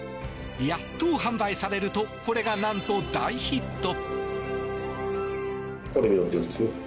やっと販売されるとこれがなんと大ヒット。